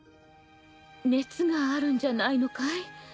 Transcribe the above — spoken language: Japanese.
熱があるんじゃないのかい？